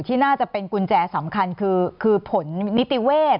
ที่น่าจะเป็นกุญแจสำคัญคือผลนิติเวศ